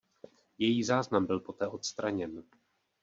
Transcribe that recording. Její záznam byl poté odstraněn.